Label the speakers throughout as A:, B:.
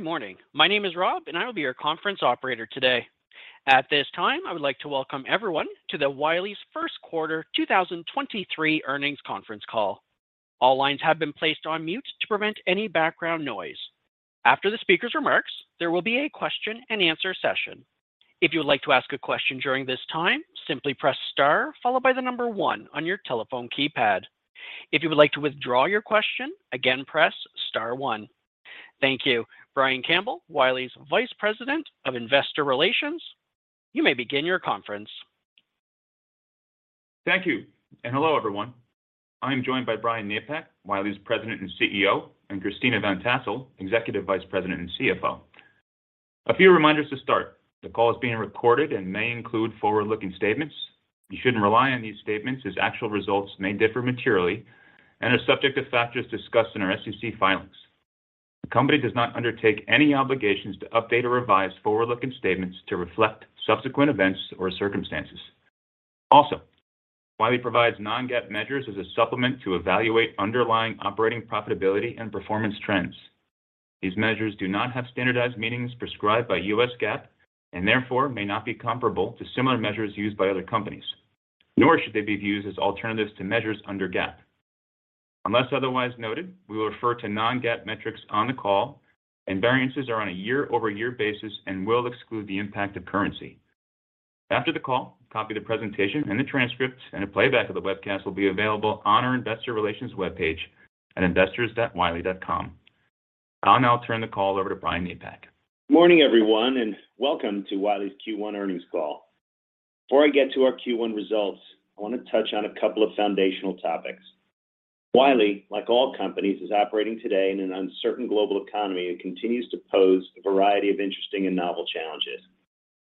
A: Good morning. My name is Rob, and I will be your conference operator today. At this time, I would like to welcome everyone to Wiley's first quarter 2023 earnings conference call. All lines have been placed on mute to prevent any background noise. After the speaker's remarks, there will be a question-and-answer session. If you would like to ask a question during this time, simply press Star followed by the number one on your telephone keypad. If you would like to withdraw your question, again, press star one. Thank you. Brian Campbell, Wiley's Vice President of Investor Relations, you may begin your conference.
B: Thank you, and hello, everyone. I'm joined by Brian Napack, Wiley's President and CEO, and Christina Van Tassel, Executive Vice President and CFO. A few reminders to start. The call is being recorded and may include forward-looking statements. You shouldn't rely on these statements as actual results may differ materially and are subject to factors discussed in our SEC filings. The company does not undertake any obligations to update or revise forward-looking statements to reflect subsequent events or circumstances. Also, Wiley provides non-GAAP measures as a supplement to evaluate underlying operating profitability and performance trends. These measures do not have standardized meanings prescribed by U.S. GAAP, and therefore may not be comparable to similar measures used by other companies, nor should they be viewed as alternatives to measures under GAAP. Unless otherwise noted, we will refer to non-GAAP metrics on the call, and variances are on a year-over-year basis and will exclude the impact of currency. After the call, a copy of the presentation and the transcript and a playback of the webcast will be available on our investor relations webpage at investors.wiley.com. I'll now turn the call over to Brian Napack.
C: Morning, everyone, and welcome to Wiley's Q1 earnings call. Before I get to our Q1 results, I want to touch on a couple of foundational topics. Wiley, like all companies, is operating today in an uncertain global economy that continues to pose a variety of interesting and novel challenges.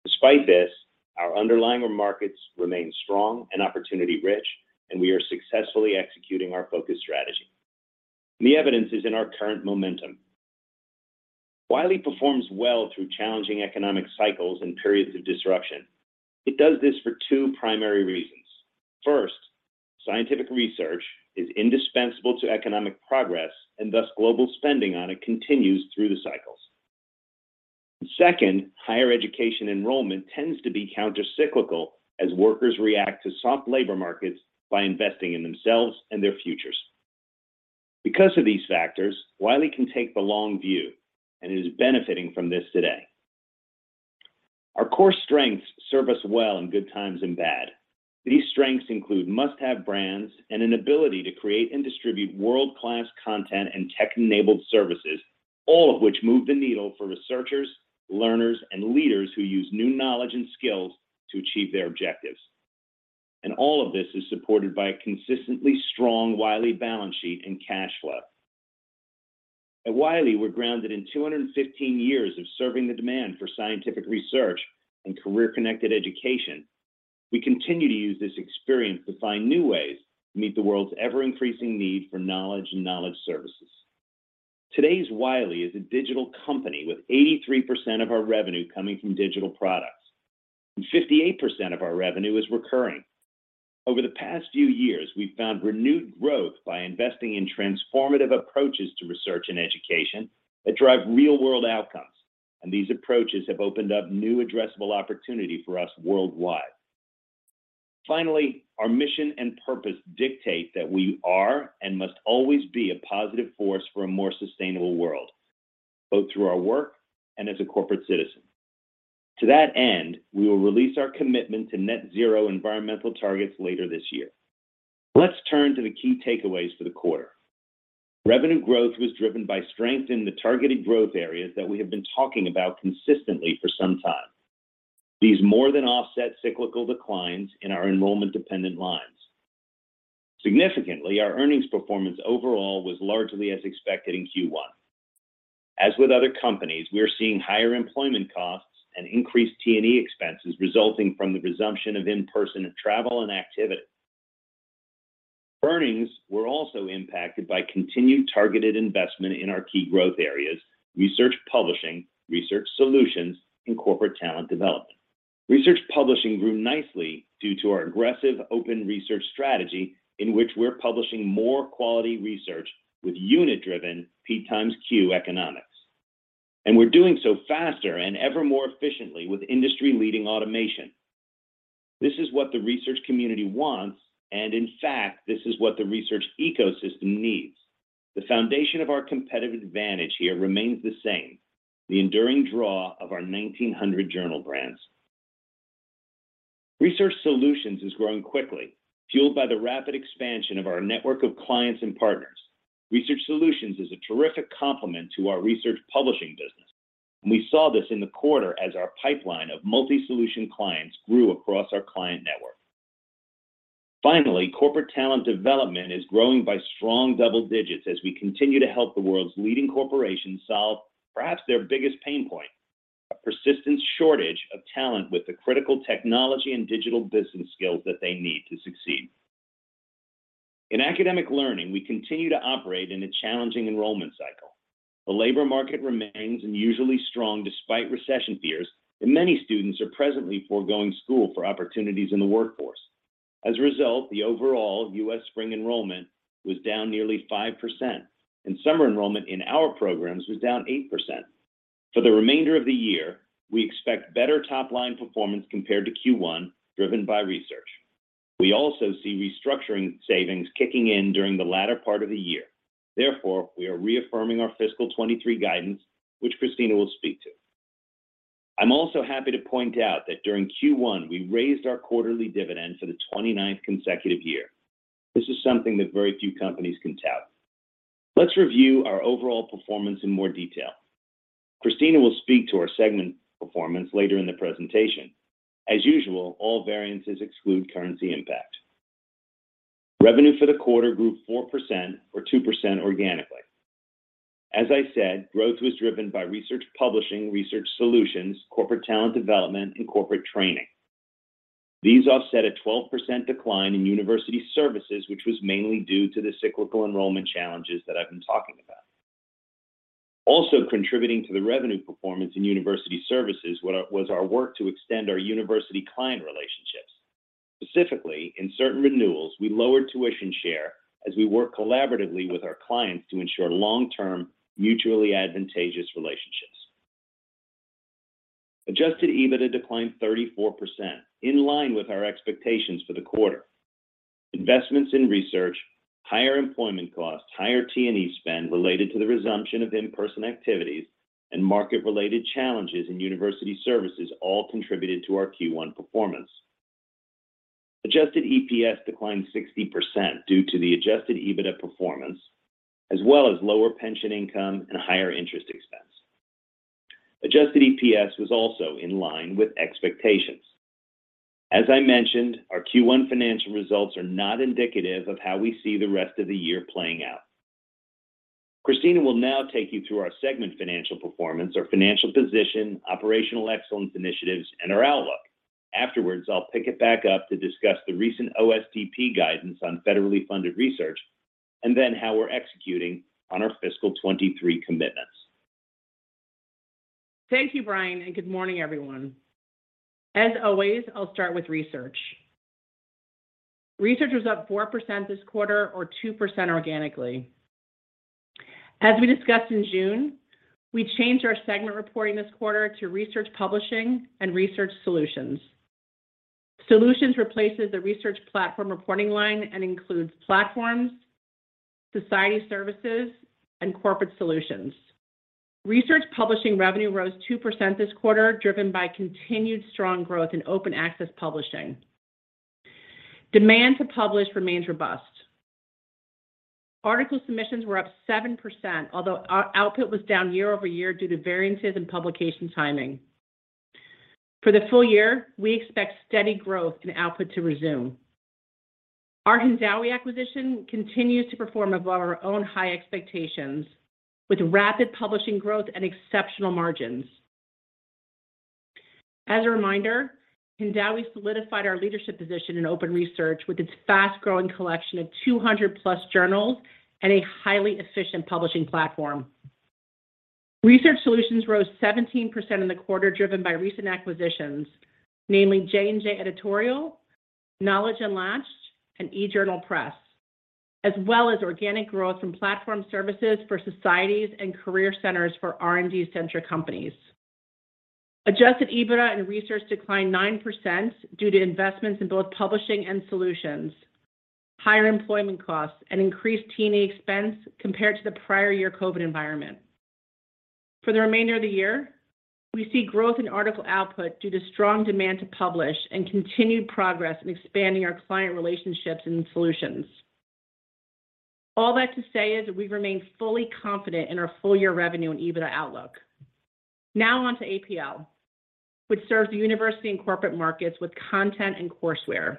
C: Despite this, our underlying markets remain strong and opportunity-rich, and we are successfully executing our focus strategy. The evidence is in our current momentum. Wiley performs well through challenging economic cycles and periods of disruption. It does this for two primary reasons. First, scientific research is indispensable to economic progress, and thus global spending on it continues through the cycles. Second, higher education enrollment tends to be countercyclical as workers react to soft labor markets by investing in themselves and their futures. Because of these factors, Wiley can take the long view and is benefiting from this today. Our core strengths serve us well in good times and bad. These strengths include must-have brands and an ability to create and distribute world-class content and tech-enabled services, all of which move the needle for researchers, learners, and leaders who use new knowledge and skills to achieve their objectives. All of this is supported by a consistently strong Wiley balance sheet and cash flow. At Wiley, we're grounded in 215 years of serving the demand for scientific research and career-connected education. We continue to use this experience to find new ways to meet the world's ever-increasing need for knowledge and knowledge services. Today's Wiley is a digital company with 83% of our revenue coming from digital products, and 58% of our revenue is recurring. Over the past few years, we've found renewed growth by investing in transformative approaches to research and education that drive real-world outcomes, and these approaches have opened up new addressable opportunity for us worldwide. Finally, our mission and purpose dictate that we are and must always be a positive force for a more sustainable world, both through our work and as a corporate citizen. To that end, we will release our commitment to net zero environmental targets later this year. Let's turn to the key takeaways for the quarter. Revenue growth was driven by strength in the targeted growth areas that we have been talking about consistently for some time. These more than offset cyclical declines in our enrollment-dependent lines. Significantly, our earnings performance overall was largely as expected in Q1. As with other companies, we're seeing higher employment costs and increased T&E expenses resulting from the resumption of in-person travel and activity. Earnings were also impacted by continued targeted investment in our key growth areas, Research Publishing, Research Solutions, and Talent Development. Research Publishing grew nicely due to our aggressive open research strategy in which we're publishing more quality research with unit-driven PxQ economics. We're doing so faster and ever more efficiently with industry-leading automation. This is what the research community wants, and in fact, this is what the research ecosystem needs. The foundation of our competitive advantage here remains the same, the enduring draw of our 1,900 journal brands. Research Solutions is growing quickly, fueled by the rapid expansion of our network of clients and partners. Research Solutions is a terrific complement to our Research Publishing business, and we saw this in the quarter as our pipeline of multi-solution clients grew across our client network. Finally, Corporate Talent Development is growing by strong double digits as we continue to help the world's leading corporations solve perhaps their biggest pain point, a persistent shortage of talent with the critical technology and digital business skills that they need to succeed. In academic learning, we continue to operate in a challenging enrollment cycle. The labor market remains unusually strong despite recession fears, and many students are presently foregoing school for opportunities in the workforce. As a result, the overall U.S. spring enrollment was down nearly 5%, and summer enrollment in our programs was down 8%. For the remainder of the year, we expect better top-line performance compared to Q1, driven by research. We also see restructuring savings kicking in during the latter part of the year. Therefore, we are reaffirming our fiscal 2023 guidance, which Christina will speak to. I'm also happy to point out that during Q1, we raised our quarterly dividend for the 29th consecutive year. This is something that very few companies can tout. Let's review our overall performance in more detail. Christina will speak to our segment performance later in the presentation. As usual, all variances exclude currency impact. Revenue for the quarter grew 4% or 2% organically. As I said, growth was driven by Research Publishing, Research Solutions, corporate Talent Development, and corporate training. These offset a 12% decline in University Services, which was mainly due to the cyclical enrollment challenges that I've been talking about. Also contributing to the revenue performance in University Services was our work to extend our university-client relationships. Specifically, in certain renewals, we lowered tuition share as we work collaboratively with our clients to ensure long-term, mutually advantageous relationships. Adjusted EBITDA declined 34%, in line with our expectations for the quarter. Investments in research, higher employment costs, higher T&E spend related to the resumption of in-person activities, and market-related challenges in University Services all contributed to our Q1 performance. Adjusted EPS declined 60% due to the Adjusted EBITDA performance, as well as lower pension income and higher interest expense. Adjusted EPS was also in line with expectations. As I mentioned, our Q1 financial results are not indicative of how we see the rest of the year playing out. Christina will now take you through our segment financial performance, our financial position, operational excellence initiatives, and our outlook. Afterwards, I'll pick it back up to discuss the recent OSTP guidance on federally funded research, and then how we're executing on our fiscal 2023 commitments.
D: Thank you, Brian, and good morning, everyone. As always, I'll start with research. Research was up 4% this quarter or 2% organically. As we discussed in June, we changed our segment reporting this quarter to Research Publishing and Research Solutions. Solutions replaces the research platform reporting line and includes platforms, society services, and corporate solutions. Research Publishing revenue rose 2% this quarter, driven by continued strong growth in open access publishing. Demand to publish remains robust. Article submissions were up 7%, although output was down year-over-year due to variances in publication timing. For the full year, we expect steady growth in output to resume. Our Hindawi acquisition continues to perform above our own high expectations with rapid publishing growth and exceptional margins. As a reminder, Hindawi solidified our leadership position in open research with its fast-growing collection of 200+ journals and a highly efficient publishing platform. Research Solutions rose 17% in the quarter driven by recent acquisitions, namely J&J Editorial, Knowledge Unlatched, and eJournalPress, as well as organic growth from platform services for societies and career centers for R&D-centric companies. Adjusted EBITDA and Research declined 9% due to investments in both publishing and solutions, higher employment costs, and increased T&E expense compared to the prior year COVID environment. For the remainder of the year, we see growth in article output due to strong demand to publish and continued progress in expanding our client relationships and solutions. All that to say is we remain fully confident in our full-year revenue and EBITDA outlook. Now on to APL, which serves the university and corporate markets with content and courseware.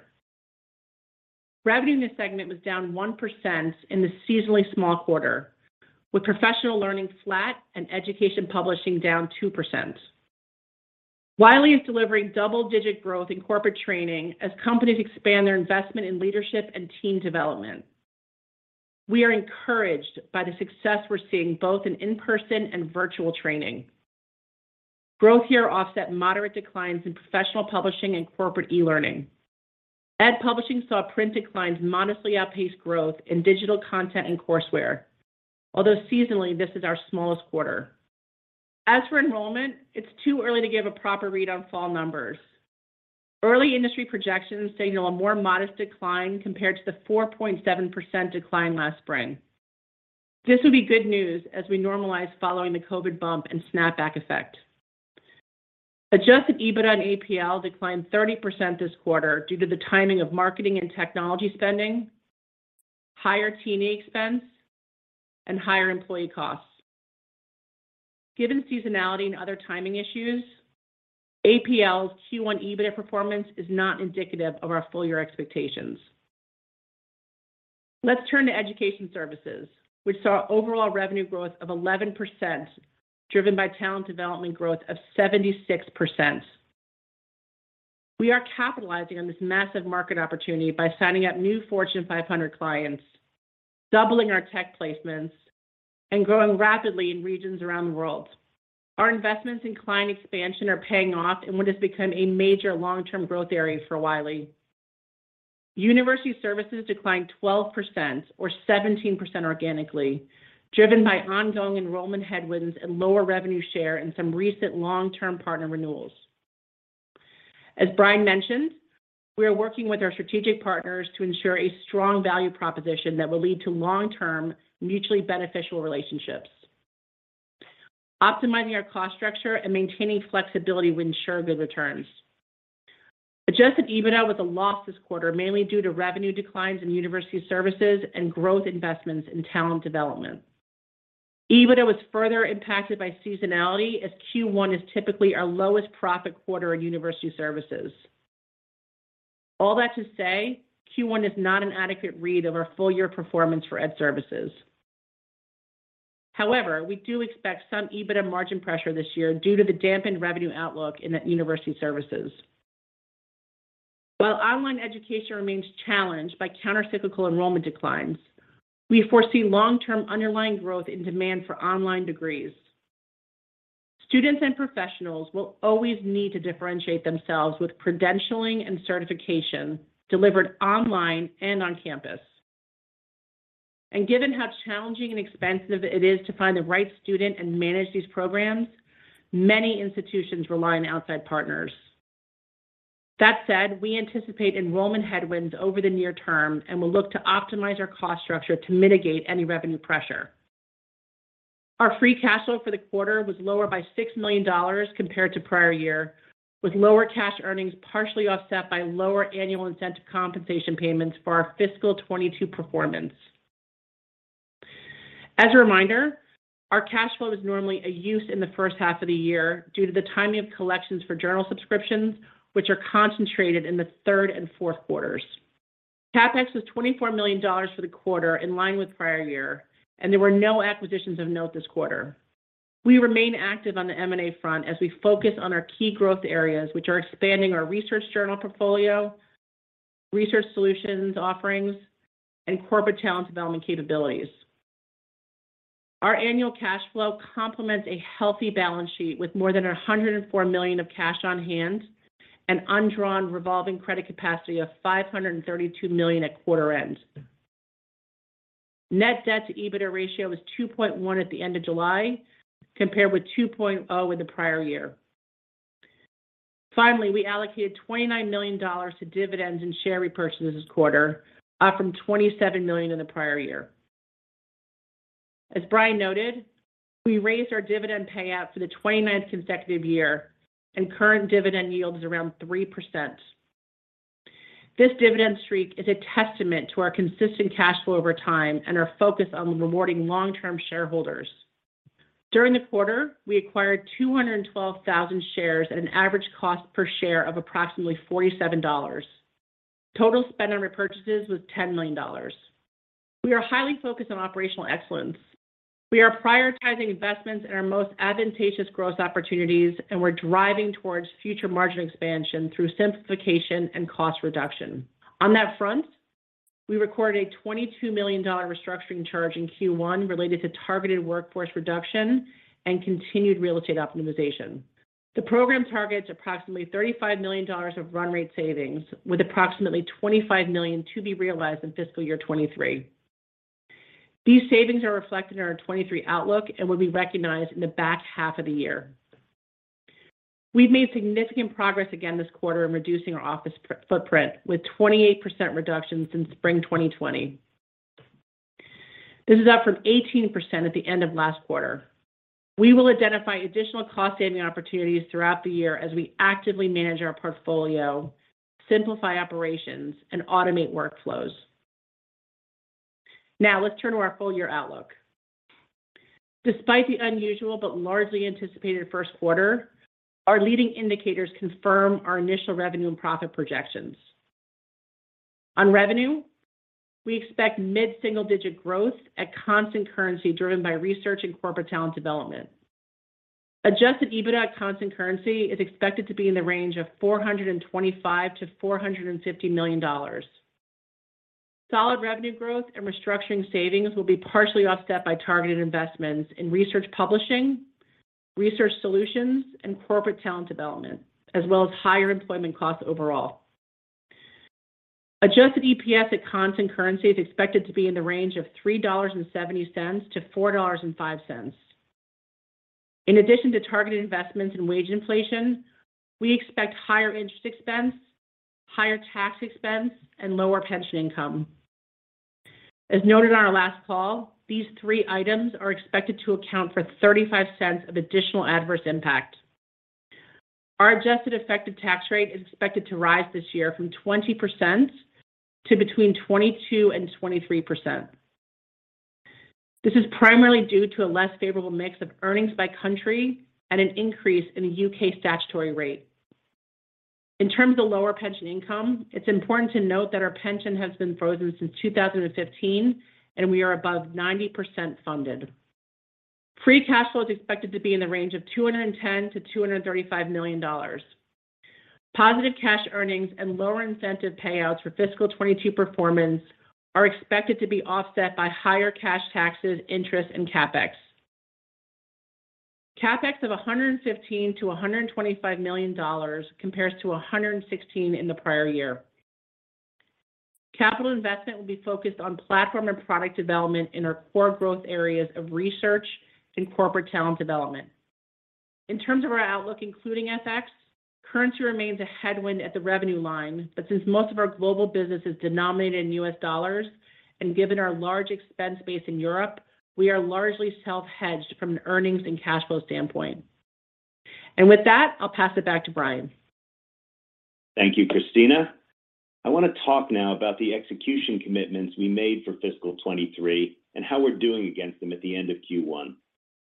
D: Revenue in this segment was down 1% in the seasonally small quarter, with professional learning flat and education publishing down 2%. Wiley is delivering double-digit growth in corporate training as companies expand their investment in leadership and team development. We are encouraged by the success we're seeing both in-person and virtual training. Growth here offset moderate declines in professional publishing and corporate e-learning. Ed publishing saw print declines modestly outpace growth in digital content and courseware. Although seasonally, this is our smallest quarter. As for enrollment, it's too early to give a proper read on fall numbers. Early industry projections signal a more modest decline compared to the 4.7% decline last spring. This would be good news as we normalize following the COVID bump and snapback effect. Adjusted EBITDA and APL declined 30% this quarter due to the timing of marketing and technology spending, higher T&E expense, and higher employee costs. Given seasonality and other timing issues, APL's Q1 EBITDA performance is not indicative of our full-year expectations. Let's turn to Education Services, which saw overall revenue growth of 11%, driven by Talent Development growth of 76%. We are capitalizing on this massive market opportunity by signing up new Fortune 500 clients. Doubling our tech placements and growing rapidly in regions around the world. Our investments in client expansion are paying off in what has become a major long-term growth area for Wiley. University Services declined 12%, or 17% organically, driven by ongoing enrollment headwinds and lower revenue share in some recent long-term partner renewals. As Brian mentioned, we are working with our strategic partners to ensure a strong value proposition that will lead to long-term, mutually beneficial relationships, optimizing our cost structure and maintaining flexibility to ensure good returns. Adjusted EBITDA was a loss this quarter, mainly due to revenue declines in University Services and growth investments in Talent Development. EBITDA was further impacted by seasonality, as Q1 is typically our lowest profit quarter in University Services. All that to say, Q1 is not an adequate read of our full-year performance for Ed Services. However, we do expect some EBITDA margin pressure this year due to the dampened revenue outlook in the University Services. While online education remains challenged by countercyclical enrollment declines, we foresee long-term underlying growth in demand for online degrees. Students and professionals will always need to differentiate themselves with credentialing and certification delivered online and on campus. Given how challenging and expensive it is to find the right student and manage these programs, many institutions rely on outside partners. That said, we anticipate enrollment headwinds over the near term and will look to optimize our cost structure to mitigate any revenue pressure. Our free cash flow for the quarter was lower by $6 million compared to prior year, with lower cash earnings partially offset by lower annual incentive compensation payments for our fiscal 2022 performance. As a reminder, our cash flow is normally a use in the first half of the year due to the timing of collections for journal subscriptions, which are concentrated in the third and fourth quarters. CapEx was $24 million for the quarter, in line with prior year, and there were no acquisitions of note this quarter. We remain active on the M&A front as we focus on our key growth areas, which are expanding our research journal portfolio, Research Solutions offerings, and corporate talent development capabilities. Our annual cash flow complements a healthy balance sheet, with more than $104 million of cash on hand and undrawn revolving credit capacity of $532 million at quarter-end. Net debt-to-EBITDA ratio was 2.1 at the end of July, compared with 2.0 in the prior year. Finally, we allocated $29 million to dividends and share repurchases this quarter, up from $27 million in the prior year. As Brian noted, we raised our dividend payout for the 29th consecutive year, and current dividend yield is around 3%. This dividend streak is a testament to our consistent cash flow over time and our focus on rewarding long-term shareholders. During the quarter, we acquired 212,000 shares at an average cost per share of approximately $47. Total spend on repurchases was $10 million. We are highly focused on operational excellence. We are prioritizing investments in our most advantageous growth opportunities, and we're driving towards future margin expansion through simplification and cost reduction. On that front, we recorded a $22 million restructuring charge in Q1 related to targeted workforce reduction and continued real estate optimization. The program targets approximately $35 million of run rate savings, with approximately $25 million to be realized in fiscal year 2023. These savings are reflected in our 2023 outlook and will be recognized in the back half of the year. We've made significant progress again this quarter in reducing our office footprint, with 28% reduction since spring 2020. This is up from 18% at the end of last quarter. We will identify additional cost-saving opportunities throughout the year as we actively manage our portfolio, simplify operations, and automate workflows. Now let's turn to our full-year outlook. Despite the unusual but largely anticipated first quarter, our leading indicators confirm our initial revenue and profit projections. On revenue, we expect mid-single-digit growth at constant currency driven by Research and Corporate Talent Development. Adjusted EBITDA at constant currency is expected to be in the range of $425 million-$450 million. Solid revenue growth and restructuring savings will be partially offset by targeted investments in Research Publishing, Research Solutions, and Corporate Talent Development, as well as higher employment costs overall. Adjusted EPS at constant currency is expected to be in the range of $3.70-$4.05. In addition to targeted investments and wage inflation, we expect higher interest expense, higher tax expense, and lower pension income. As noted on our last call, these three items are expected to account for $0.35 of additional adverse impact. Our adjusted effective tax rate is expected to rise this year from 20% to between 22% and 23%. This is primarily due to a less favorable mix of earnings by country and an increase in the U.K. statutory rate. In terms of lower pension income, it's important to note that our pension has been frozen since 2015, and we are above 90% funded. Free cash flow is expected to be in the range of $210 million-$235 million. Positive cash earnings and lower incentive payouts for fiscal 2022 performance are expected to be offset by higher cash taxes, interest and CapEx. CapEx of $115 million-$125 million compares to $116 million in the prior year. Capital investment will be focused on platform and product development in our core growth areas of research and corporate talent development. In terms of our outlook, including FX, currency remains a headwind at the revenue line, but since most of our global business is denominated in U.S. dollars and given our large expense base in Europe, we are largely self-hedged from an earnings and cash flow standpoint. With that, I'll pass it back to Brian.
C: Thank you, Christina. I want to talk now about the execution commitments we made for fiscal 2023 and how we're doing against them at the end of Q1.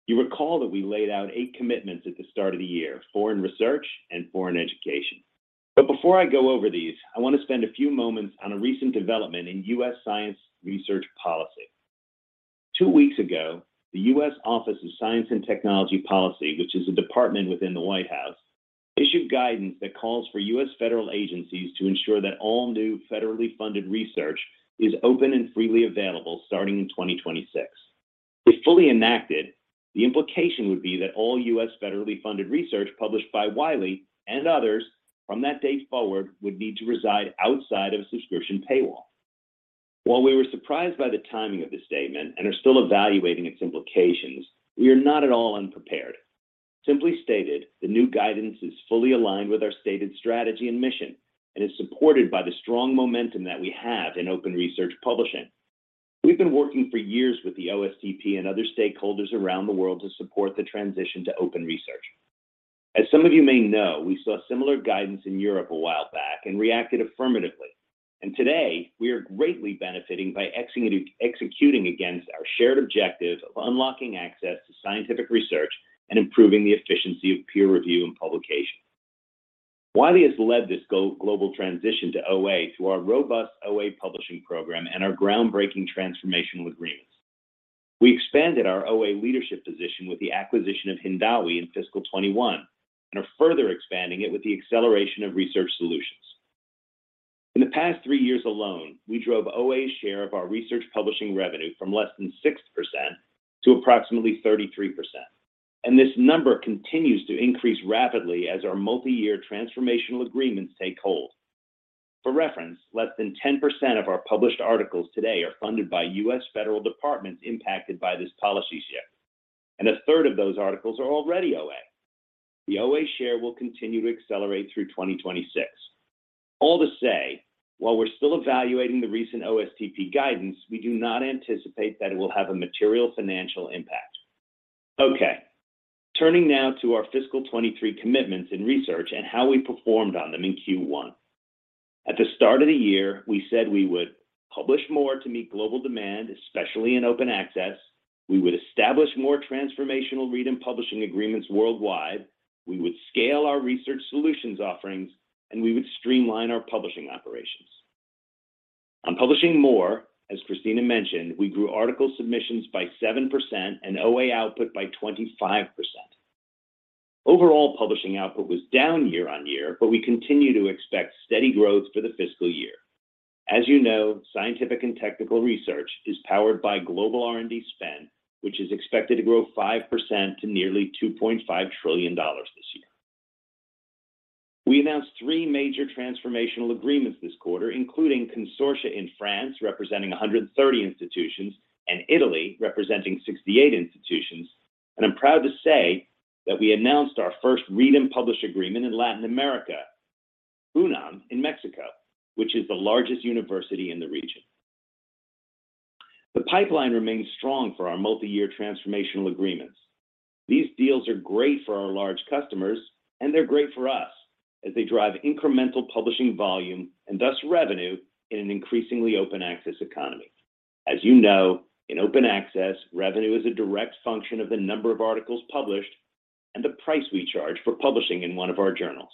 C: You recall that we laid out eight commitments at the start of the year, four in research and four in education. Before I go over these, I want to spend a few moments on a recent development in U.S. science research policy. Two weeks ago, the U.S. Office of Science and Technology Policy, which is a department within the White House, issued guidance that calls for U.S. federal agencies to ensure that all new federally funded research is open and freely available starting in 2026. If fully enacted, the implication would be that all U.S. federally funded research published by Wiley and others from that date forward would need to reside outside of a subscription paywall. While we were surprised by the timing of the statement and are still evaluating its implications, we are not at all unprepared. Simply stated, the new guidance is fully aligned with our stated strategy and mission, and is supported by the strong momentum that we have in open research publishing. We've been working for years with the OSTP and other stakeholders around the world to support the transition to open research. As some of you may know, we saw similar guidance in Europe a while back and reacted affirmatively. Today, we are greatly benefiting by executing against our shared objective of unlocking access to scientific research and improving the efficiency of peer review and publication. Wiley has led this global transition to OA through our robust OA publishing program and our groundbreaking transformational agreements. We expanded our OA leadership position with the acquisition of Hindawi in fiscal 2021 and are further expanding it with the acceleration of Research Solutions. In the past three years alone, we drove OA's share of our Research Publishing revenue from less than 6% to approximately 33%, and this number continues to increase rapidly as our multi-year transformational agreements take hold. For reference, less than 10% of our published articles today are funded by U.S. federal departments impacted by this policy shift, and a third of those articles are already OA. The OA share will continue to accelerate through 2026. All to say, while we're still evaluating the recent OSTP guidance, we do not anticipate that it will have a material financial impact. Okay, turning now to our fiscal 2023 commitments in research and how we performed on them in Q1. At the start of the year, we said we would publish more to meet global demand, especially in open access. We would establish more transformational read and publish agreements worldwide. We would scale our Research Solutions offerings, and we would streamline our publishing operations. On publishing more, as Christina mentioned, we grew article submissions by 7% and OA output by 25%. Overall publishing output was down year-on-year, but we continue to expect steady growth for the fiscal year. As you know, scientific and technical research is powered by global R&D spend, which is expected to grow 5% to nearly $2.5 trillion this year. We announced three major transformational agreements this quarter, including consortia in France, representing 130 institutions, and Italy, representing 68 institutions, and I'm proud to say that we announced our first read and publish agreement in Latin America, UNAM in Mexico, which is the largest university in the region. The pipeline remains strong for our multi-year transformational agreements. These deals are great for our large customers, and they're great for us as they drive incremental publishing volume and thus revenue in an increasingly open access economy. As you know, in open access, revenue is a direct function of the number of articles published and the price we charge for publishing in one of our journals.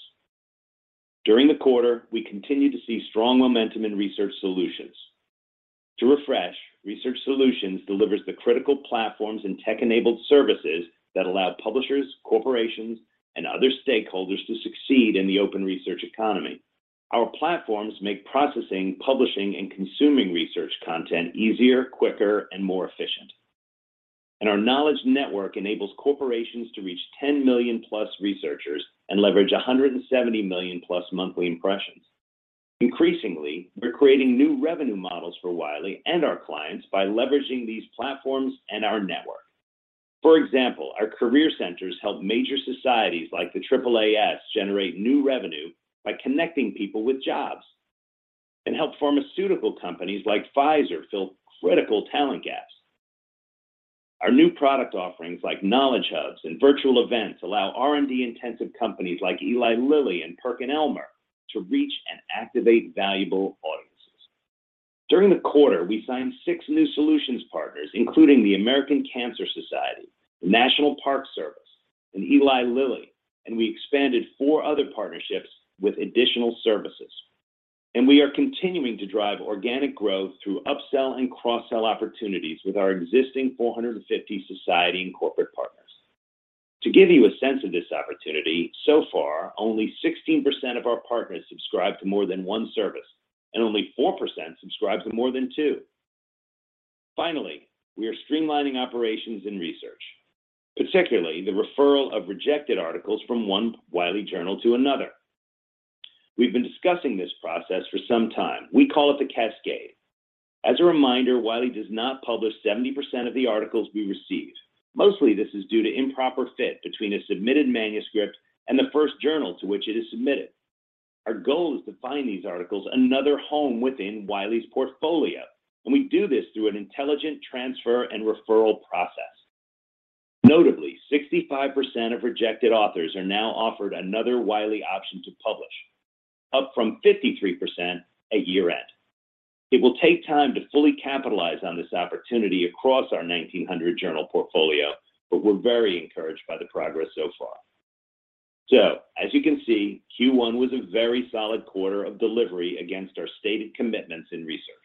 C: During the quarter, we continued to see strong momentum in Research Solutions. To refresh, Research Solutions delivers the critical platforms and tech-enabled services that allow publishers, corporations, and other stakeholders to succeed in the open research economy. Our platforms make processing, publishing, and consuming research content easier, quicker, and more efficient. Our knowledge network enables corporations to reach 10+ million researchers and leverage 170+ million monthly impressions. Increasingly, we're creating new revenue models for Wiley and our clients by leveraging these platforms and our network. For example, our career centers help major societies like the AAAS generate new revenue by connecting people with jobs, and help pharmaceutical companies like Pfizer fill critical talent gaps. Our new product offerings like Knowledge Hubs and virtual events allow R&D-intensive companies like Eli Lilly and PerkinElmer to reach and activate valuable audiences. During the quarter, we signed six new solutions partners, including the American Cancer Society, the National Park Service, and Eli Lilly, and we expanded four other partnerships with additional services. We are continuing to drive organic growth through upsell and cross-sell opportunities with our existing 450 society and corporate partners. To give you a sense of this opportunity, so far, only 16% of our partners subscribe to more than one service, and only 4% subscribe to more than two. Finally, we are streamlining operations and research, particularly the referral of rejected articles from one Wiley journal to another. We've been discussing this process for some time. We call it the cascade. As a reminder, Wiley does not publish 70% of the articles we receive. Mostly, this is due to improper fit between a submitted manuscript and the first journal to which it is submitted. Our goal is to find these articles another home within Wiley's portfolio, and we do this through an intelligent transfer and referral process. Notably, 65% of rejected authors are now offered another Wiley option to publish, up from 53% at year-end. It will take time to fully capitalize on this opportunity across our 1,900 journal portfolio, but we're very encouraged by the progress so far. As you can see, Q1 was a very solid quarter of delivery against our stated commitments in research.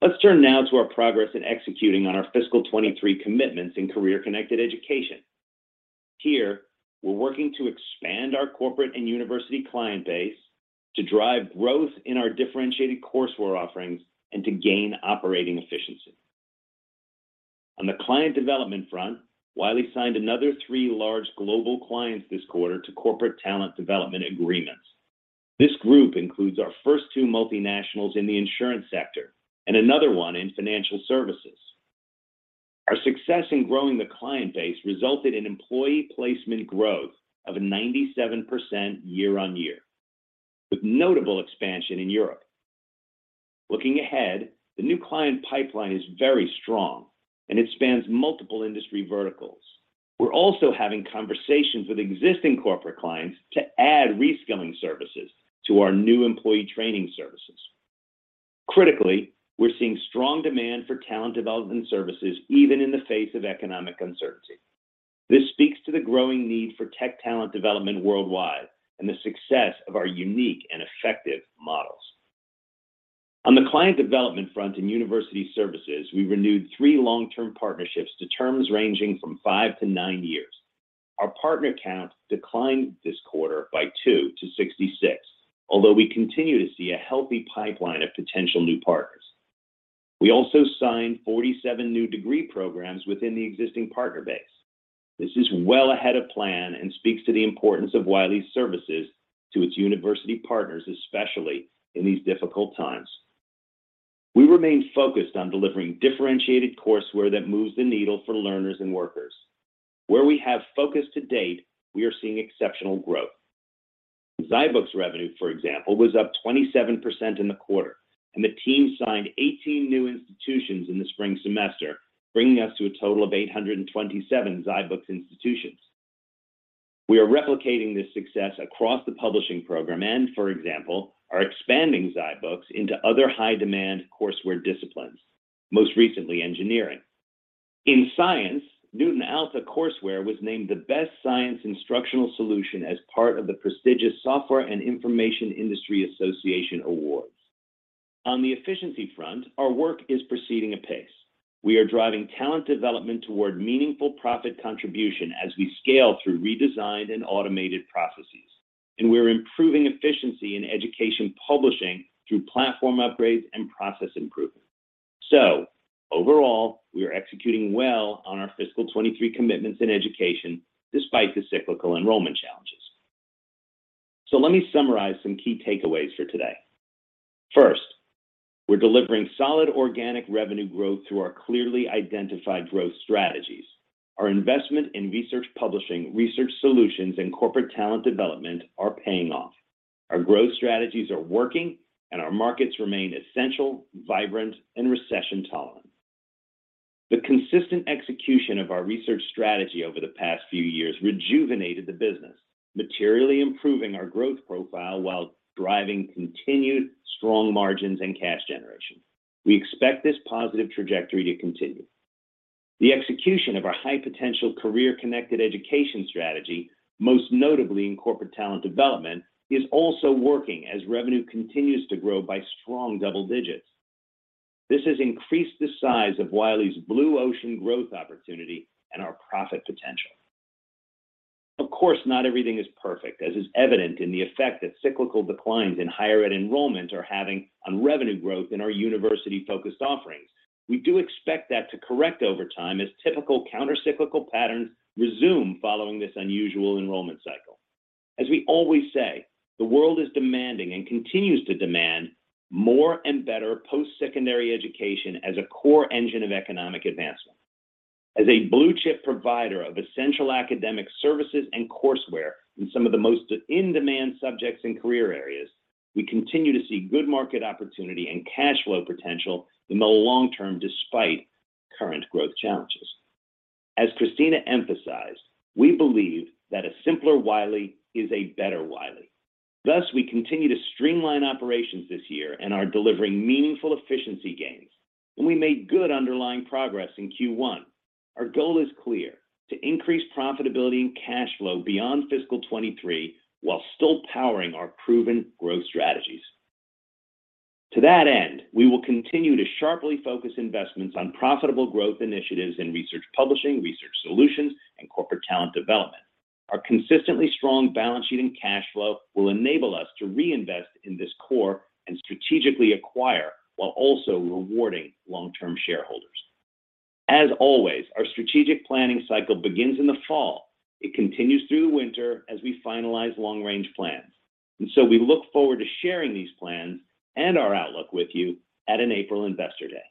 C: Let's turn now to our progress in executing on our fiscal 2023 commitments in career-connected education. Here, we're working to expand our corporate and university client base to drive growth in our differentiated courseware offerings and to gain operating efficiency. On the client development front, Wiley signed another three large global clients this quarter to corporate talent development agreements. This group includes our first two multinationals in the insurance sector and another one in financial services. Our success in growing the client base resulted in employee placement growth of 97% year-over-year, with notable expansion in Europe. Looking ahead, the new client pipeline is very strong, and it spans multiple industry verticals. We're also having conversations with existing corporate clients to add reskilling services to our new employee training services. Critically, we're seeing strong demand for Talent Development services even in the face of economic uncertainty. This speaks to the growing need for tech talent development worldwide and the success of our unique and effective models. On the client development front in University Services, we renewed three long-term partnerships to terms ranging from five to nine years. Our partner count declined this quarter by two to 66, although we continue to see a healthy pipeline of potential new partners. We also signed 47 new degree programs within the existing partner base. This is well ahead of plan and speaks to the importance of Wiley's services to its university partners, especially in these difficult times. We remain focused on delivering differentiated courseware that moves the needle for learners and workers. Where we have focus to date, we are seeing exceptional growth. zyBooks revenue, for example, was up 27% in the quarter, and the team signed 18 new institutions in the spring semester, bringing us to a total of 827 zyBooks institutions. We are replicating this success across the publishing program and, for example, are expanding zyBooks into other high-demand courseware disciplines, most recently engineering. In science, Knewton Alta courseware was named the best science instructional solution as part of the prestigious Software and Information Industry Association Awards. On the efficiency front, our work is proceeding apace. We are driving Talent Development toward meaningful profit contribution as we scale through redesigned and automated processes, and we are improving efficiency in education publishing through platform upgrades and process improvement. Overall, we are executing well on our fiscal 2023 commitments in education despite the cyclical enrollment challenges. Let me summarize some key takeaways for today. First, we're delivering solid organic revenue growth through our clearly identified growth strategies. Our investment in Research Publishing, Research Solutions, and Corporate Talent Development are paying off. Our growth strategies are working, and our markets remain essential, vibrant, and recession-tolerant. The consistent execution of our research strategy over the past few years rejuvenated the business, materially improving our growth profile while driving continued strong margins and cash generation. We expect this positive trajectory to continue. The execution of our high-potential career-connected education strategy, most notably in corporate talent development, is also working as revenue continues to grow by strong double digits. This has increased the size of Wiley's blue ocean growth opportunity and our profit potential. Of course, not everything is perfect, as is evident in the effect that cyclical declines in higher ed enrollment are having on revenue growth in our university-focused offerings. We do expect that to correct over time as typical countercyclical patterns resume following this unusual enrollment cycle. As we always say, the world is demanding and continues to demand more and better post-secondary education as a core engine of economic advancement. As a blue-chip provider of essential academic services and courseware in some of the most in-demand subjects and career areas, we continue to see good market opportunity and cash flow potential in the long term despite current growth challenges. As Christina emphasized, we believe that a simpler Wiley is a better Wiley. Thus, we continue to streamline operations this year and are delivering meaningful efficiency gains, and we made good underlying progress in Q1. Our goal is clear: to increase profitability and cash flow beyond fiscal 2023 while still powering our proven growth strategies. To that end, we will continue to sharply focus investments on profitable growth initiatives in Research Publishing, Research Solutions, and corporate Talent Development. Our consistently strong balance sheet and cash flow will enable us to reinvest in this core and strategically acquire, while also rewarding long-term shareholders. As always, our strategic planning cycle begins in the fall. It continues through the winter as we finalize long-range plans. We look forward to sharing these plans and our outlook with you at an April investor day.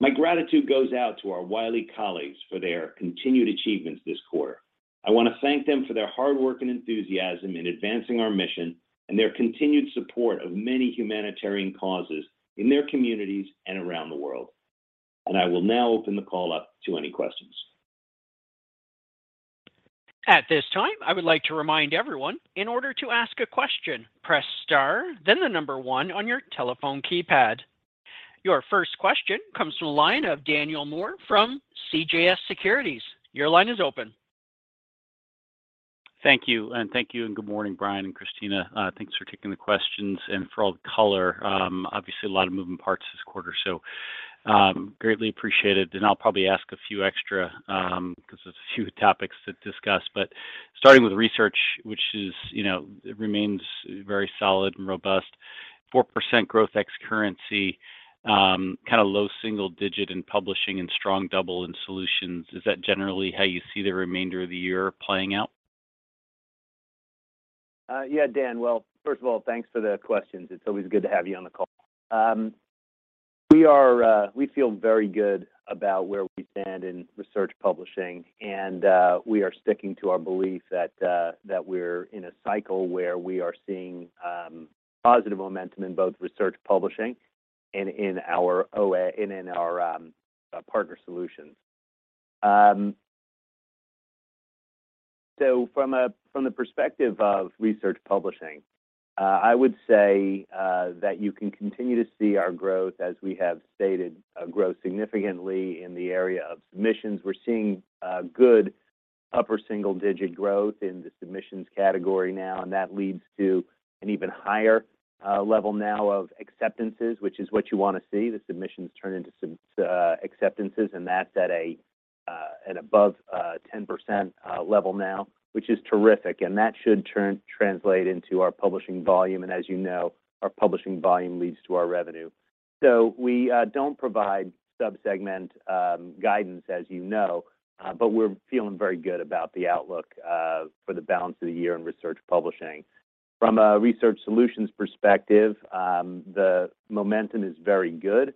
C: My gratitude goes out to our Wiley colleagues for their continued achievements this quarter. I want to thank them for their hard work and enthusiasm in advancing our mission and their continued support of many humanitarian causes in their communities and around the world. I will now open the call up to any questions.
A: At this time, I would like to remind everyone, in order to ask a question, press star, then the number one on your telephone keypad. Your first question comes from the line of Daniel Moore from CJS Securities. Your line is open.
E: Thank you. Thank you, and good morning, Brian and Christina. Thanks for taking the questions and for all the color. Obviously a lot of moving parts this quarter, so greatly appreciated. I'll probably ask a few extra, 'cause there's a few topics to discuss. Starting with research, which is, you know, remains very solid and robust, 4% growth ex currency, kinda low single digit in publishing and strong double in solutions. Is that generally how you see the remainder of the year playing out?
C: Yeah, Dan. Well, first of all, thanks for the questions. It's always good to have you on the call. We feel very good about where we stand in Research Publishing, and we are sticking to our belief that we're in a cycle where we are seeing positive momentum in both Research Publishing and in our OA, and in our partner solutions. From the perspective of Research Publishing, I would say that you can continue to see our growth as we have stated, grow significantly in the area of submissions. We're seeing good upper single digit growth in the submissions category now, and that leads to an even higher level now of acceptances, which is what you wanna see. The submissions turn into acceptances, and that's at an above 10% level now, which is terrific. That should translate into our publishing volume, and as you know, our publishing volume leads to our revenue. We don't provide sub-segment guidance, as you know, but we're feeling very good about the outlook for the balance of the year in Research Publishing. From a Research Solutions perspective, the momentum is very good.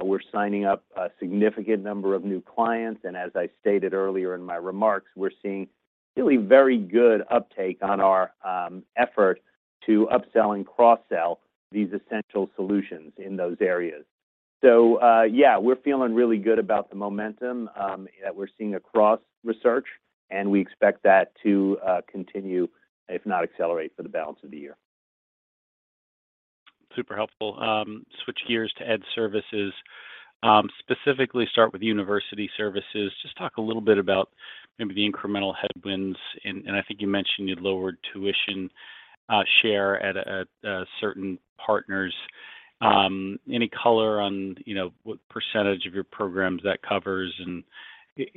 C: We're signing up a significant number of new clients, and as I stated earlier in my remarks, we're seeing really very good uptake on our effort to upsell and cross-sell these essential solutions in those areas. We're feeling really good about the momentum that we're seeing across research, and we expect that to continue, if not accelerate, for the balance of the year.
E: Super helpful. Switch gears to Ed Services, specifically start with University Services. Just talk a little bit about maybe the incremental headwinds, and I think you mentioned you lowered tuition share at certain partners. Any color on, you know, what percentage of your programs that covers? Would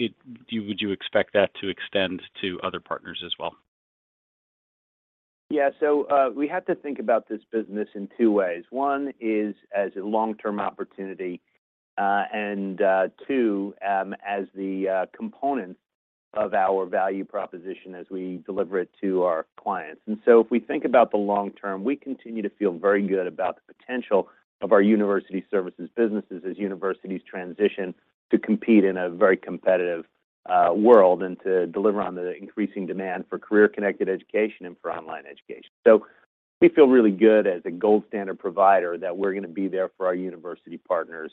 E: you expect that to extend to other partners as well?
C: We have to think about this business in two ways. One is as a long-term opportunity, and two, as the component of our value proposition as we deliver it to our clients. If we think about the long term, we continue to feel very good about the potential of our University Services businesses as universities transition to compete in a very competitive world and to deliver on the increasing demand for career-connected education and for online education. We feel really good as a gold standard provider that we're gonna be there for our university partners,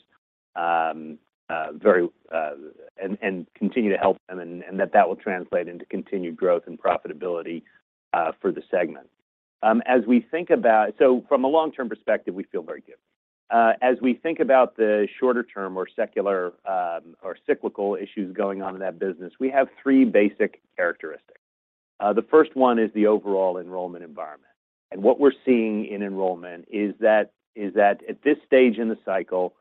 C: and continue to help them and that will translate into continued growth and profitability for the segment. From a long-term perspective, we feel very good. As we think about the shorter term or secular or cyclical issues going on in that business, we have three basic characteristics. The first one is the overall enrollment environment, and what we're seeing in enrollment is that at this stage in the cycle,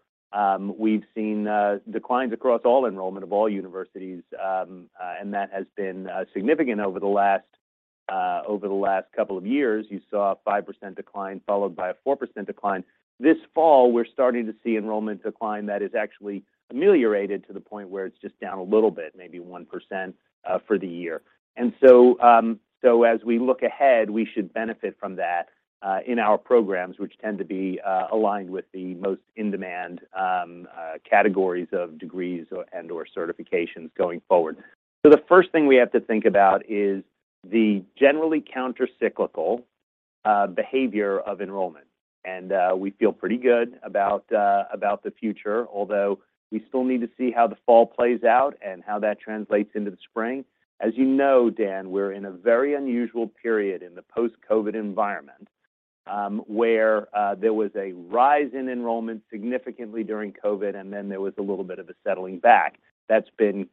C: we've seen declines across all enrollment of all universities, and that has been significant over the last couple of years. You saw a 5% decline followed by a 4% decline. This fall, we're starting to see enrollment decline that is actually ameliorated to the point where it's just down a little bit, maybe 1%, for the year. As we look ahead, we should benefit from that in our programs, which tend to be aligned with the most in-demand categories of degrees and/or certifications going forward. The first thing we have to think about is the generally countercyclical behavior of enrollment. We feel pretty good about the future, although we still need to see how the fall plays out and how that translates into the spring. As you know, Dan, we're in a very unusual period in the post-COVID environment, where there was a rise in enrollment significantly during COVID, and then there was a little bit of a settling back. That's been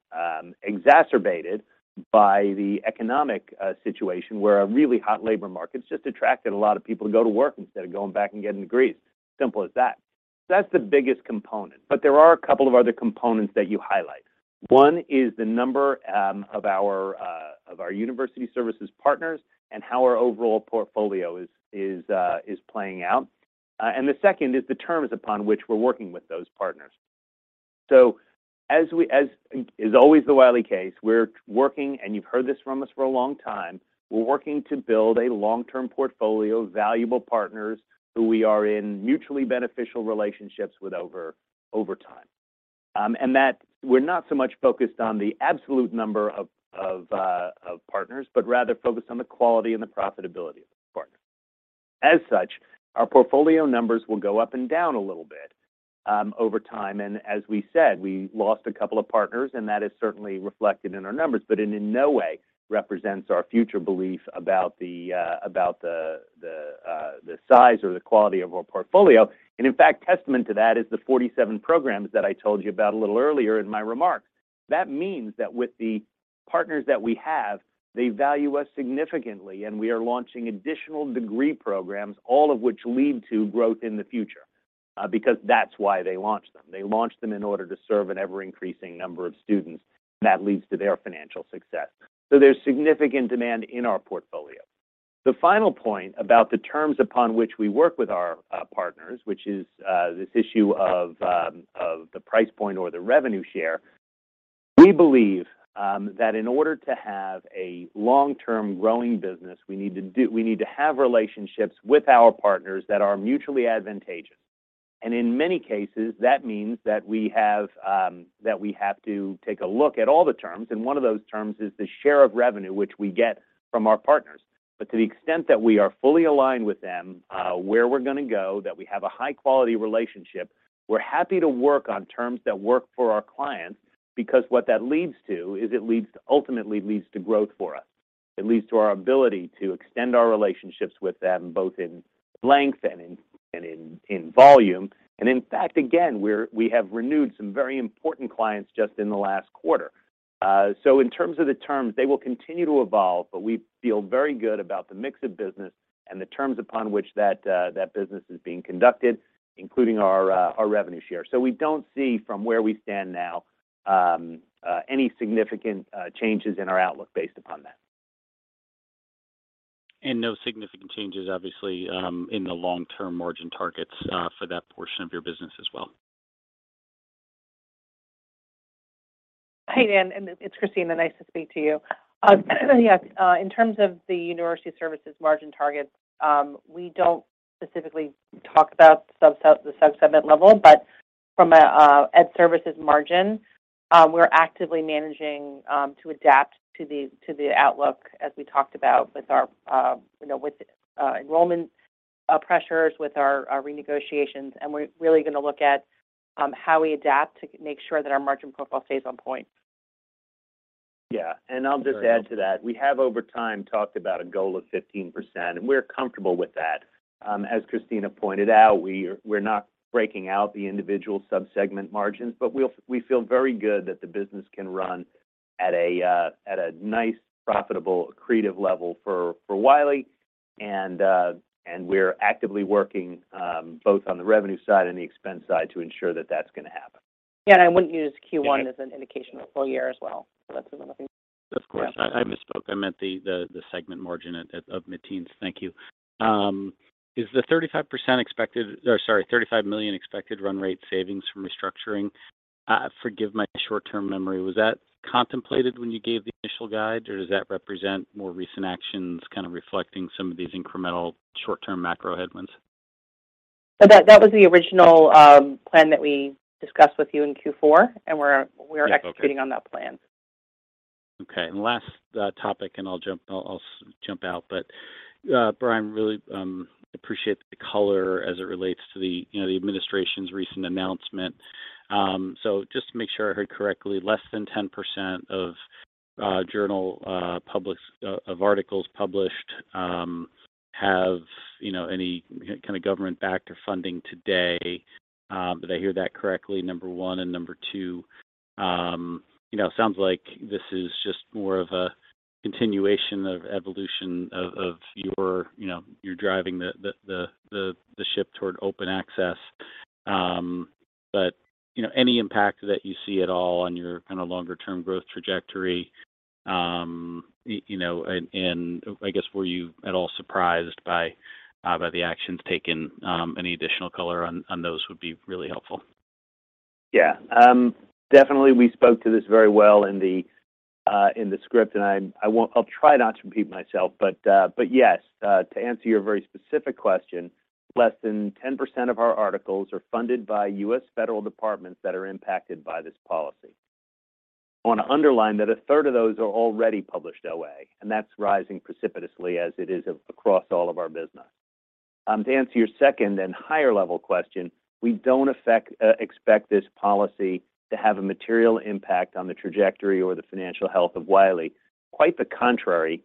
C: exacerbated by the economic situation, where a really hot labor market's just attracted a lot of people to go to work instead of going back and getting degrees. Simple as that. That's the biggest component. There are a couple of other components that you highlight. One is the number of our University Services partners and how our overall portfolio is playing out. The second is the terms upon which we're working with those partners. As is always the Wiley case, we're working, and you've heard this from us for a long time, we're working to build a long-term portfolio of valuable partners who we are in mutually beneficial relationships with over time. That we're not so much focused on the absolute number of partners, but rather focused on the quality and the profitability of the partners. As such, our portfolio numbers will go up and down a little bit, over time, and as we said, we lost a couple of partners, and that is certainly reflected in our numbers. It in no way represents our future belief about the size or the quality of our portfolio. In fact, testament to that is the 47 programs that I told you about a little earlier in my remarks. That means that with the partners that we have, they value us significantly, and we are launching additional degree programs, all of which lead to growth in the future, because that's why they launch them. They launch them in order to serve an ever-increasing number of students, and that leads to their financial success. So there's significant demand in our portfolio. The final point about the terms upon which we work with our partners, which is this issue of the price point or the revenue share. We believe that in order to have a long-term growing business, we need to have relationships with our partners that are mutually advantageous. In many cases, that means that we have to take a look at all the terms, and one of those terms is the share of revenue which we get from our partners. To the extent that we are fully aligned with them, where we're gonna go, that we have a high-quality relationship, we're happy to work on terms that work for our clients, because what that leads to is it ultimately leads to growth for us. It leads to our ability to extend our relationships with them, both in length and in volume. In fact, again, we have renewed some very important clients just in the last quarter. In terms of the terms, they will continue to evolve, but we feel very good about the mix of business and the terms upon which that business is being conducted, including our revenue share. We don't see from where we stand now any significant changes in our outlook based upon that.
E: No significant changes, obviously, in the long-term margin targets for that portion of your business as well?
D: Hey, Dan. It's Christina. Nice to speak to you. Yes, in terms of the University Services margin targets, we don't specifically talk about the subsegment level. From a Ed Services margin, we're actively managing to adapt to the outlook as we talked about with our, you know, with enrollment pressures, with our renegotiations, and we're really gonna look at how we adapt to make sure that our margin profile stays on point.
C: Yeah. I'll just add to that. We have over time talked about a goal of 15%, and we're comfortable with that. As Christina pointed out, we're not breaking out the individual subsegment margins, but we feel very good that the business can run at a nice, profitable, accretive level for Wiley, and we're actively working both on the revenue side and the expense side to ensure that that's gonna happen.
D: Yeah, I wouldn't use Q1 as an indication of the full year as well. That's another thing.
E: Of course. I misspoke. I meant the segment margin at least 15%. Thank you. Is the 35% expected? Or, sorry, $35 million expected run rate savings from restructuring, forgive my short-term memory, was that contemplated when you gave the initial guide, or does that represent more recent actions kind of reflecting some of these incremental short-term macro headwinds?
D: That was the original plan that we discussed with you in Q4, and we're executing on that plan.
E: Okay. Last topic, and I'll jump out. Brian, really appreciate the color as it relates to the, you know, the administration's recent announcement. So just to make sure I heard correctly, less than 10% of journal articles published have, you know, any kind of government-backed funding today. Did I hear that correctly, number one? Number two, you know, sounds like this is just more of a continuation of evolution of your, you know, you're driving the ship toward open access. You know, any impact that you see at all on your kind of longer term growth trajectory? You know, and I guess were you at all surprised by the actions taken? Any additional color on those would be really helpful.
C: Yeah. Definitely we spoke to this very well in the script, and I'll try not to repeat myself, but yes, to answer your very specific question, less than 10% of our articles are funded by U.S. federal departments that are impacted by this policy. I wanna underline that a third of those are already published OA, and that's rising precipitously as it is across all of our business. To answer your second and higher level question, we don't expect this policy to have a material impact on the trajectory or the financial health of Wiley. Quite the contrary.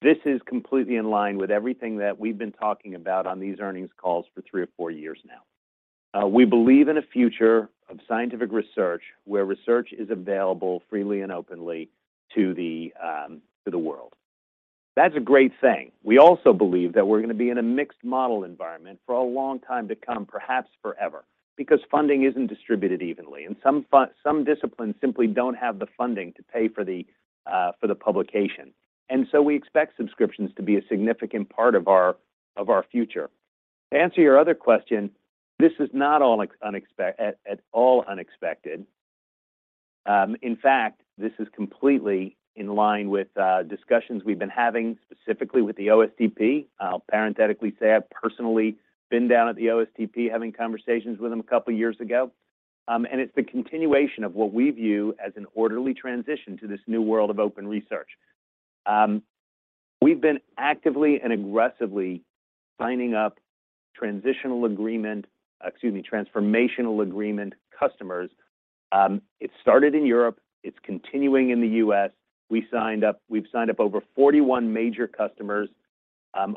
C: This is completely in line with everything that we've been talking about on these earnings calls for three or four years now. We believe in a future of scientific research where research is available freely and openly to the world. That's a great thing. We also believe that we're gonna be in a mixed model environment for a long time to come, perhaps forever, because funding isn't distributed evenly, and some disciplines simply don't have the funding to pay for the publication. We expect subscriptions to be a significant part of our future. To answer your other question, this is not at all unexpected. In fact, this is completely in line with discussions we've been having specifically with the OSTP. I'll parenthetically say I've personally been down at the OSTP having conversations with them a couple years ago. It's the continuation of what we view as an orderly transition to this new world of open research. We've been actively and aggressively signing up transformational agreement customers. It started in Europe. It's continuing in the U.S. We've signed up over 41 major customers.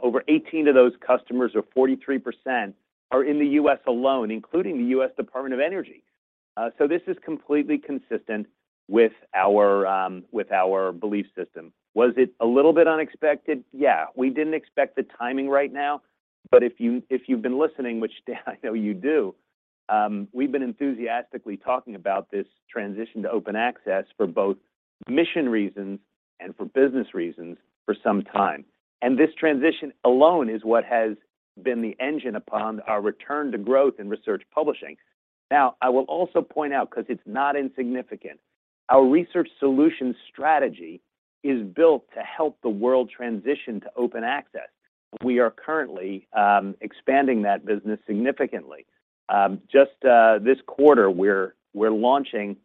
C: Over 18 of those customers or 43% are in the U.S. alone, including the U.S. Department of Energy. This is completely consistent with our belief system. Was it a little bit unexpected? Yeah. We didn't expect the timing right now. If you've been listening, which, Dan, I know you do, we've been enthusiastically talking about this transition to open access for both mission reasons and for business reasons for some time. This transition alone is what has been the engine upon our return to growth in Research Publishing. Now, I will also point out, 'cause it's not insignificant, our Research Solutions strategy is built to help the world transition to open access. We are currently expanding that business significantly. Just this quarter, we're launching,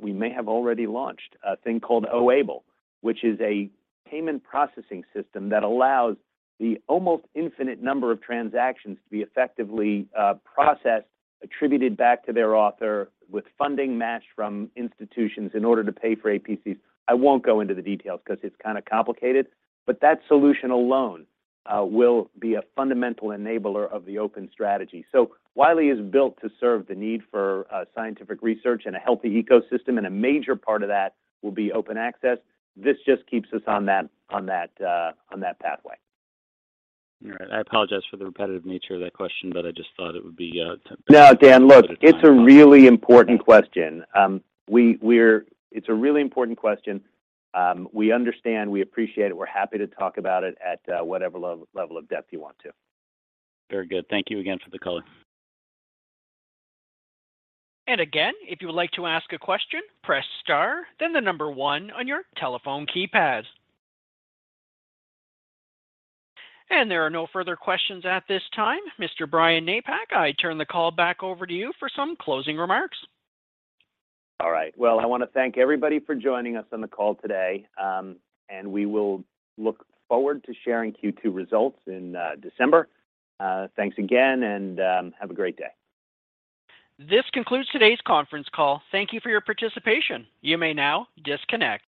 C: we may have already launched a thing called Oable, which is a payment processing system that allows the almost infinite number of transactions to be effectively processed, attributed back to their author with funding matched from institutions in order to pay for APCs. I won't go into the details 'cause it's kinda complicated, but that solution alone will be a fundamental enabler of the open strategy. Wiley is built to serve the need for scientific research and a healthy ecosystem, and a major part of that will be open access. This just keeps us on that pathway.
E: All right. I apologize for the repetitive nature of that question, but I just thought it would be.
C: No, Dan, look, it's a really important question. We understand, we appreciate it, we're happy to talk about it at whatever level of depth you want to.
E: Very good. Thank you again for the color.
A: Again, if you would like to ask a question, press star then the number one on your telephone keypads. There are no further questions at this time. Mr. Brian Napack, I turn the call back over to you for some closing remarks.
C: All right. Well, I wanna thank everybody for joining us on the call today. We will look forward to sharing Q2 results in December. Thanks again and have a great day.
A: This concludes today's conference call. Thank you for your participation. You may now disconnect.